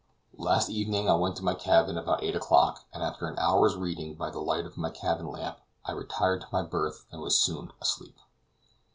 Last evening I went to my cabin about eight o'clock, and after an hour's reading by the light of my cabin lamp, I retired to my berth and was soon asleep.